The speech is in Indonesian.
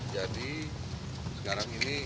jadi sekarang ini